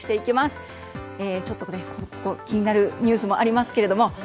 こちらに気になるニュースもありますけども。